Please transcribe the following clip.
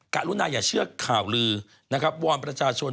กะลุ่นนายอย่าเชื่อข่าวลือนะครับ